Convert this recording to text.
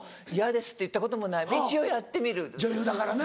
女優だからな。